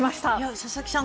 佐々木さん